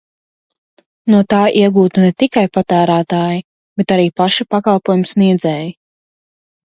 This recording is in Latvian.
No tā iegūtu ne tikai patērētāji, bet arī paši pakalpojumu sniedzēji.